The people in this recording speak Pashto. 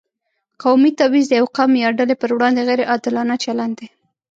قومي تبعیض د یو قوم یا ډلې پر وړاندې غیر عادلانه چلند دی.